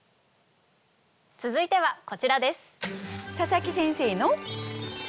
続いてはこちらです。